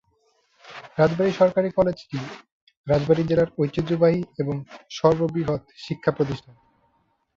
রাজবাড়ী সরকারি কলেজটি রাজবাড়ী জেলার ঐতিহ্যবাহী এবং সর্ববৃহৎ শিক্ষাপ্রতিষ্ঠান।